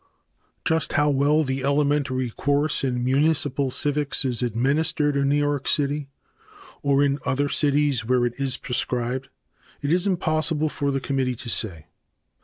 Just how well the elementary course in municipal civics is administered in New York City or in other cities where it is prescribed it is impossible for the committee to say.